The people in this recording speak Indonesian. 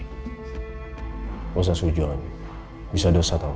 gak usah sujuan bisa dosa tau